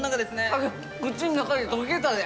竹雄口の中で溶けたで！